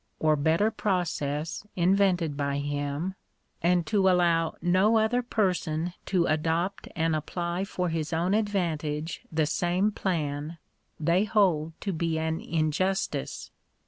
139 or better process invented by him; and to allow do other person to adopt and apply for his own advantage the same plan, they hold to be an injustice.